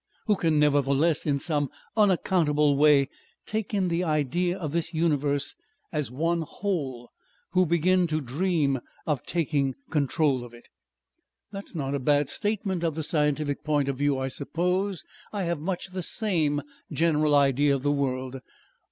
Who can nevertheless, in some unaccountable way, take in the idea of this universe as one whole, who begin to dream of taking control of it." "That is not a bad statement of the scientific point of view. I suppose I have much the same general idea of the world.